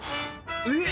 えっ！